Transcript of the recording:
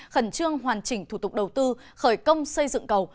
khẩn trương hoàn chỉnh thủ tục đầu tư khởi công xây dựng cầu